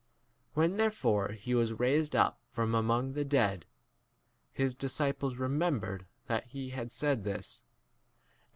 When therefore he was raised up from among [the] dead, his disciples remembered that he had said this, m and believed the n tepoj.